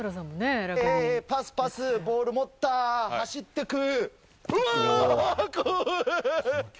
パス、パスボールを持った、走っていく。